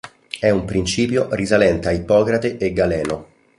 È un principio risalente a Ippocrate e Galeno.